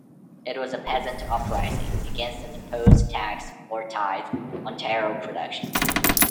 It was a peasant uprising against an imposed tax or tithe on taro production.